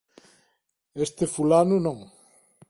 Este fulano non.